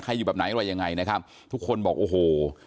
อยู่แบบไหนอะไรยังไงนะครับทุกคนบอกโอ้โห